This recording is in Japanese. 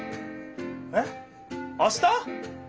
えっあした！？